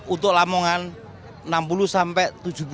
untuk lamongan enam puluh sampai tujuh puluh